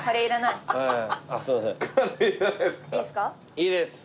いいですか？